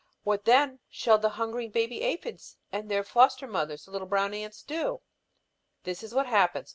What, then, shall the hungering baby aphids and their foster mothers, the little brown ants, do? "This is what happens.